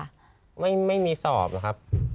ใครเป็นคนที่ไม่มีสอบหรอครับ